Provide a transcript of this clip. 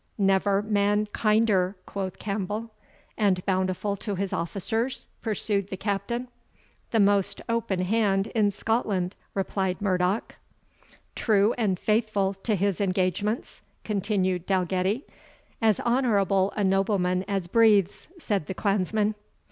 "Never man kinder," quoth Campbell. "And bountiful to his officers?" pursued the Captain. "The most open hand in Scotland," replied Murdoch. "True and faithful to his engagements?" continued Dalgetty. "As honourable a nobleman as breathes," said the clansman.